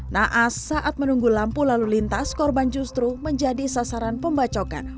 naas saat menunggu lampu lalu lintas korban justru menjadi sasaran pembacokan